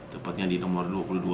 tepatnya di nomor dua puluh dua